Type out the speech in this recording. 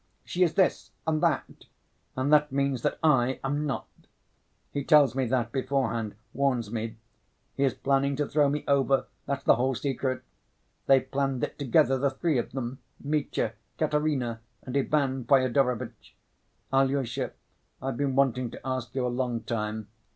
She is this and that, and that means that I am not. He tells me that beforehand—warns me. He is planning to throw me over, that's the whole secret. They've planned it together, the three of them—Mitya, Katerina, and Ivan Fyodorovitch. Alyosha, I've been wanting to ask you a long time.